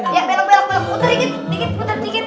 ya belom belom puter dikit puter dikit